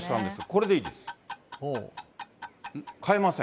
これでいいです。